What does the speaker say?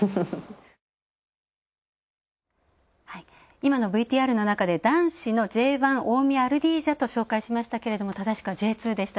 今のＶＴＲの中で男子のＪ１大宮アルディージャと紹介しましたけども正しくはＪ２でした。